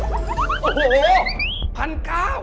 โอ้โฮพันเก้า